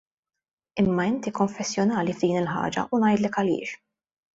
Imma inti konfessjonali f'din il-ħaġa u ngħidlek għaliex.